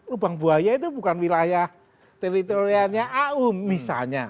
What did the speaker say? lubang buaya itu bukan wilayah teritoriannya aum misalnya